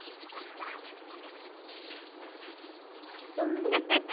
ウフフフ。